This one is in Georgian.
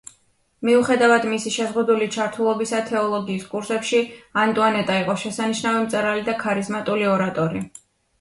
მიუხედავად მისი შეზღუდული ჩართულობისა თეოლოგიის კურსებში, ანტუანეტა იყო შესანიშნავი მწერალი და ქარიზმატული ორატორი.